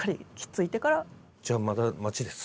じゃあまだ待ちです。